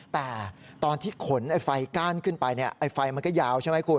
แต่ตอนที่ขนไฟก้านขึ้นไปไฟมันก็ยาวใช่ไหมคุณ